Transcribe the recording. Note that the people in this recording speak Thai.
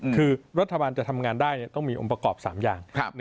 คือรัฐบาลจะทำงานได้ต้องมีองค์ประกอบ๓อย่าง